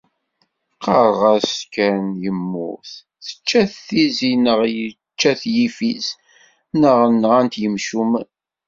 Qqarreɣ-as kan yemmut, tečča-t tizi neɣ yečča-t yifis neɣ nγan-t yimcumen.